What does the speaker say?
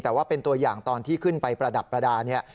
แต่ว่าเป็นตัวอย่างตอนที่ขึ้นไปประดับประดาเนี่ย